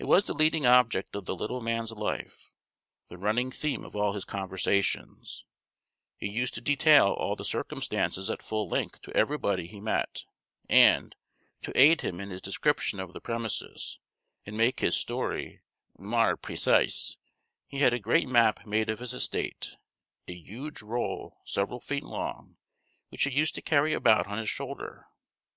It was the leading object of the little man's life; the running theme of all his conversations; he used to detail all the circumstances at full length to everybody he met, and, to aid him in his description of the premises, and make his story "mair preceese," he had a great map made of his estate, a huge roll several feet long, which he used to carry about on his shoulder.